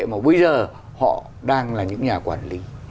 mà bây giờ họ đang là những nhà quản lý